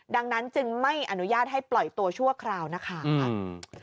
ดังนั้นจึงไม่อนุญาตให้ปล่อยตัวชั่วคราวนะคะอืม